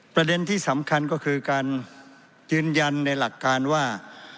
ประเด็นที่สำคัญก็คือการยืนยันในหลักการว่า